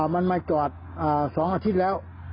มันมาจอด๒ชั่วที่แล้ว